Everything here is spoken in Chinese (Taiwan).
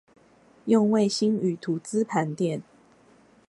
用衛星與圖資盤點